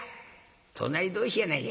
隣同士やないか。